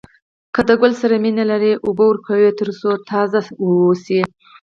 که د ګل سره مینه لرئ اوبه ورکوئ تر څو تازه واوسي.